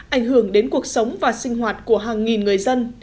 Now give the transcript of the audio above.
ảnh hưởng đến cuộc sống và sinh hoạt của hàng nghìn người dân